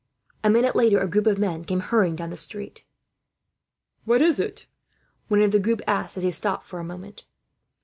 A minute later a group of men came hurrying down the street. "What is it?" one of the group asked, as he stopped for a moment.